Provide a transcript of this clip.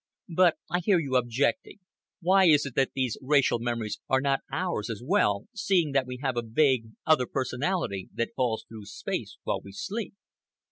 But, I hear you objecting, why is it that these racial memories are not ours as well, seeing that we have a vague other personality that falls through space while we sleep?